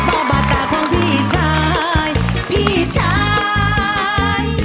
ป้อบาดต่อของพี่ชายพี่ชาย